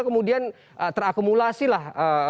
kemudian terakumulasi lah